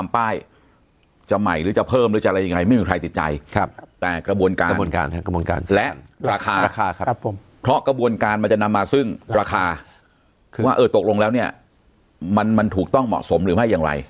เพราะกระบวนการมันจะนำมาซึ่งราคาคือว่าเออตกลงแล้วเนี่ยมันถูกต้องเหมาะสมหรือไม่อย่างไร